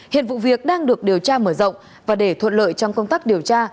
hiện vụ việc đang được điều tra mở rộng và để thuận lợi trong công tác điều tra